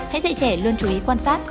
hãy dạy trẻ luôn chú ý quan sát